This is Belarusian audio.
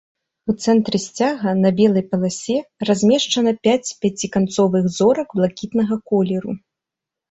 У цэнтры сцяга на белай паласе размешчана пяць пяціканцовых зорак блакітнага колеру.